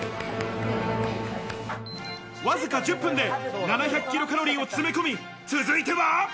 わずか１０分で７００ｋｃａｌを詰め込み、続いては。